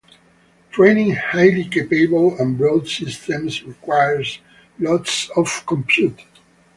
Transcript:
Training highly-capable and broad systems requires lots of compute.